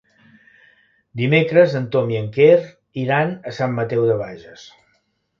Dimecres en Tom i en Quer iran a Sant Mateu de Bages.